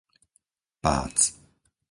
Pác